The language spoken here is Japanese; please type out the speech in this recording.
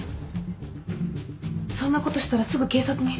そんなことしたらすぐ警察に。